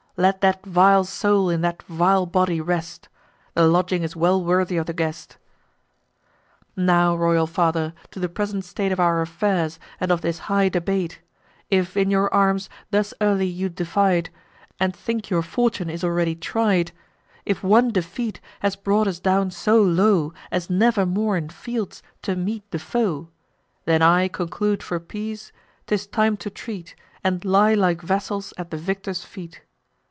Let that vile soul in that vile body rest; The lodging is well worthy of the guest. "Now, royal father, to the present state Of our affairs, and of this high debate: If in your arms thus early you diffide, And think your fortune is already tried; If one defeat has brought us down so low, As never more in fields to meet the foe; Then I conclude for peace: 'tis time to treat, And lie like vassals at the victor's feet.